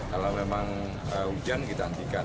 kalau memang hujan kita hentikan